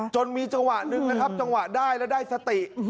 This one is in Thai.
จนมีจังหวะหนึ่งนะครับจังหวะได้แล้วได้สติ